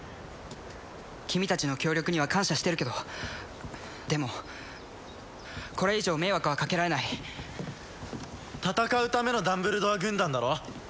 君たちの協力には感謝してるけどでもこれ以上迷惑はかけられない戦うためのダンブルドア軍団だろ？